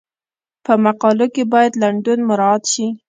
په مقالو کې باید لنډون مراعات شي.